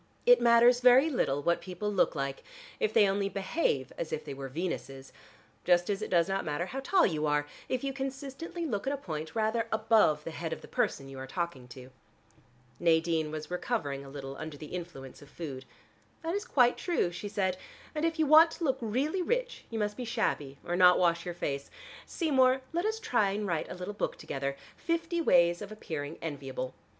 "It matters very little what people look like, if they only behave as if they were Venuses, just as it does not matter how tall you are if you consistently look at a point rather above the head of the person you are talking to." Nadine was recovering a little under the influence of food. "That is quite true," she said. "And if you want to look really rich, you must be shabby, or not wash your face. Seymour, let us try and write a little book together, 'Fifty ways of appearing enviable.'